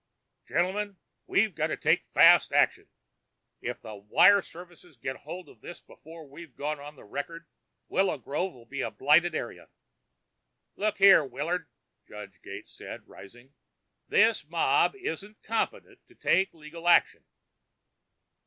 "Gentlemen, we've got to take fast action. If the wire services get hold of this before we've gone on record, Willow Grove'll be a blighted area." "Look here, Willard," Judge Gates called, rising. "This this mob isn't competent to take legal action."